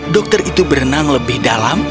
dokter itu berenang lebih dalam